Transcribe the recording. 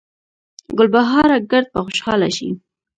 ګلبهاره ګړد به خوشحاله شي